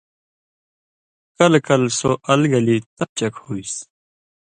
کلہۡ کلہۡ سو اَلگلی تَپ چَک ہُوئسیۡ